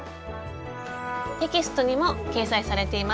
テキストにも掲載されています。